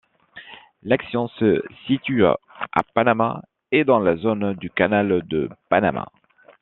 L'action se situe à Panamá et dans la zone du canal de Panamá.